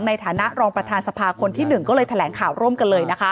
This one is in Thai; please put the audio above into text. ในฐานะรองประธานสภาคนที่๑ก็เลยแถลงข่าวร่วมกันเลยนะคะ